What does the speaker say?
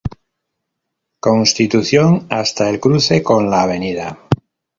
Constitución hasta el cruce con la Av.